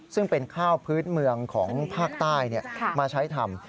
ซึ่งเป็นข้าวพื้นเมืองของภาคใต้มาใช้ทำ